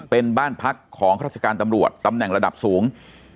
เป็นบ้านพักของราชการตำรวจตำแหน่งระดับสูง